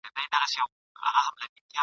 ازل مي مینه پر لمن د ارغوان کرلې !.